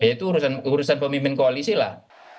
ya itu urusan pemimpin koalisi lah